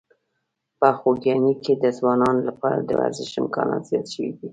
په خوږیاڼي کې د ځوانانو لپاره د ورزش امکانات زیات شوي دي.